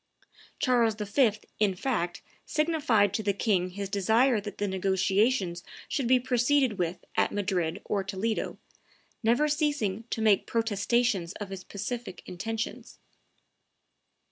Charles V., in fact, signified to the king his desire that the negotiations should be proceeded with at Madrid or Toledo, never ceasing to make protestations of his pacific intentions.